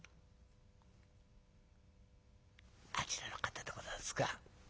あちらの方でございますか？」。